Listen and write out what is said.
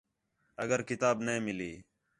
اگر کتاب نے مِلی